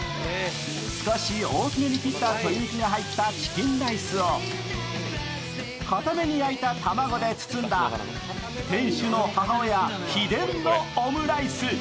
少し大きめに切った鶏肉が入ったチキンライスを固めに焼いた卵で包んだ店主の母親秘伝のオムライス。